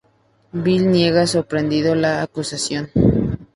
Bill niega sorprendido la acusación.